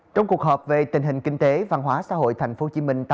trong cuộc họp về tình hình kinh tế văn hóa xã hội thành phố hồ chí minh